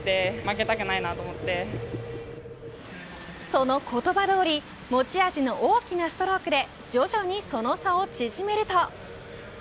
その言葉どおり持ち味の大きなストロークで徐々にその差を縮めると。